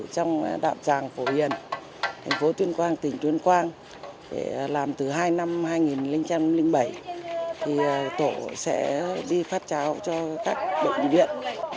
trong đạo tràng phổ hiền thành phố tuyên quang tỉnh tuyên quang làm từ hai năm hai nghìn bảy tổ sẽ đi phát cháo cho các bệnh viện